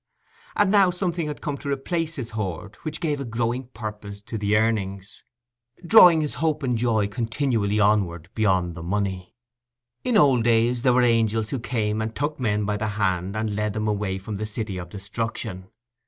And now something had come to replace his hoard which gave a growing purpose to the earnings, drawing his hope and joy continually onward beyond the money. In old days there were angels who came and took men by the hand and led them away from the city of destruction.